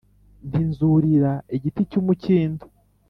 Nti nzurira igiti cy umukindo